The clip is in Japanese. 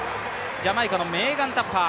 ジャマイカのメーガン・タッパー。